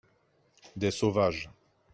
des sauvages.